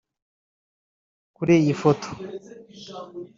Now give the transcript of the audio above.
Kuri iyi foto